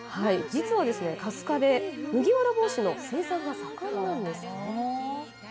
実は春日部、麦わら帽子の生産が盛んなんです。